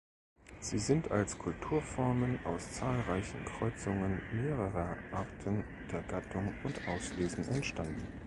Sie sind als Kulturformen aus zahlreichen Kreuzungen mehrerer Arten der Gattung und Auslesen entstanden.